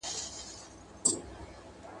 دیني او عصري زده کړي یو ځای وې.